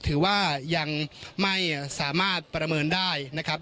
ถือว่ายังไม่สามารถประเมินได้นะครับ